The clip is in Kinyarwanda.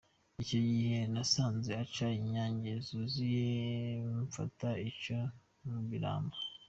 Icyo gihe nasanze ica I Nyange yuzuye mfata ica mu Birambo.